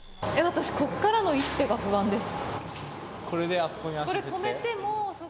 私ここからの一手が不安です。